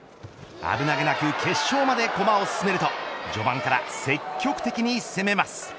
危なげなく決勝まで駒を進めると序盤から積極的に攻めます。